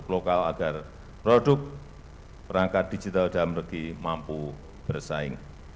lokal agar produk perangkat digital dalam negeri mampu bersaing